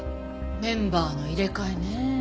メンバーの入れ替えねえ。